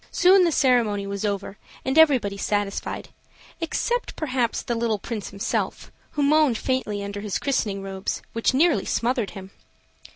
Soon the ceremony was over, and everybody satisfied; except, perhaps, the little Prince himself, who moaned faintly under his christening robes, which nearly smothered him.